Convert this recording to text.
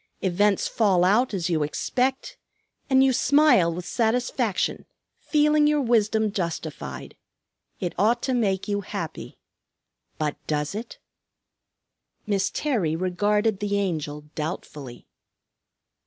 Events fall out as you expect, and you smile with satisfaction, feeling your wisdom justified. It ought to make you happy. But does it?" Miss Terry regarded the Angel doubtfully.